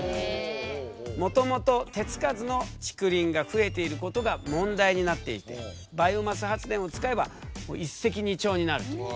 もともと手付かずの竹林が増えていることが問題になっていてバイオマス発電を使えばもう一石二鳥になるという。